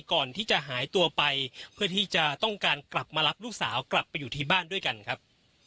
ก่อนที่จะหายตัวไปเพื่อที่จะต้องการกลับมารับลูกสาวกลับไปอยู่ที่บ้านด้วยกันครับ